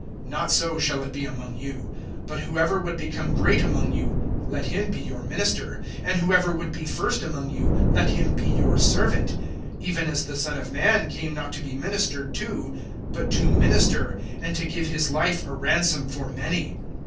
(26)Not so shall it be among you; (27)but whoever would become great among you, let him be your minister; and whoever would be first among you, let him be your servant; (28)even as the Son of man came not to be ministered to, but to minister, and to give his life a ransom for many.